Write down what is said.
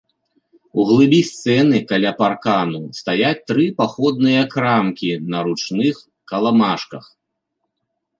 У глыбі сцэны, каля паркану, стаяць тры паходныя крамкі на ручных каламажках.